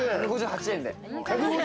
１５８円で。